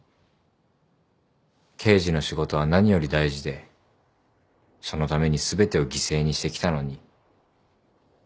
「刑事の仕事は何より大事でそのために全てを犠牲にしてきたのに」